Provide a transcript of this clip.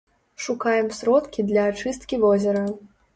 Шукаем сродкі для ачысткі возера.